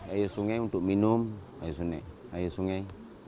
air sungai untuk minum air sungai